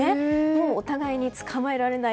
お互いにつかまえられない。